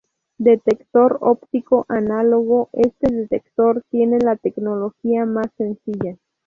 Detector óptico análogo: este detector tiene la tecnología más sencilla.